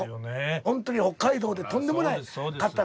本当に北海道でとんでもなかったの。